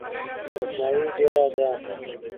روښنایي ډېره ده .